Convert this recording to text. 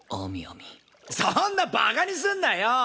そんなバカにすんなよ！